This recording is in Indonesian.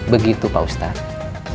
begitu pak ustadz